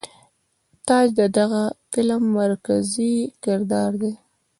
تاج د دغه فلم مرکزي کردار دے.